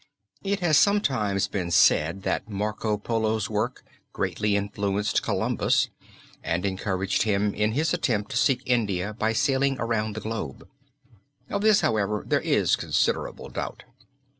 It has sometimes been said that Marco Polo's work greatly influenced Columbus and encouraged him in his attempt to seek India by sailing around the globe. Of this, however, there is considerable doubt.